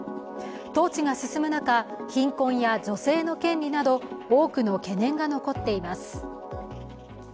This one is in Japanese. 統治が進む中貧困や女性の権利など多くの懸念が残っています。